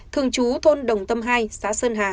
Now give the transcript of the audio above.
thường trú thôn đồng tâm hai xã sơn hà